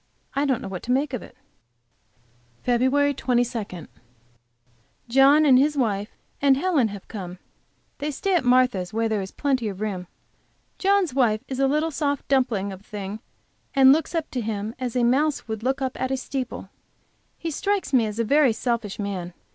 I don't know what to make of it. FEB 22. John and his wife and Helen have come. They stay at Martha's, where there is plenty of room. John's wife is a little soft dumpling thing, and looks up to him as a mouse would up at a steeple. He strikes me as a very selfish man.